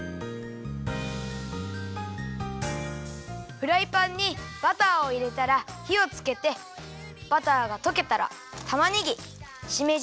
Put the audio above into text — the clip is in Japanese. フライパンにバターをいれたらひをつけてバターがとけたらたまねぎしめじをいれていためます。